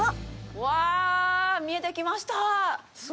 うわぁ、見えてきました！